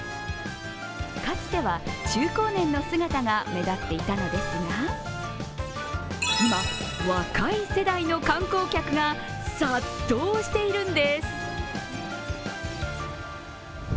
かつては中高年の姿が目立っていたのですが、今、若い世代の観光客が殺到しているんです。